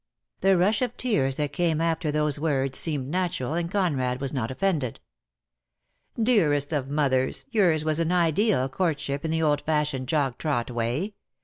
The rush of tears that came after those words seemed natural, and Conrad was not offended. "Dearest of mothers, yours was an ideal court ship in the old fashioned jog trot way.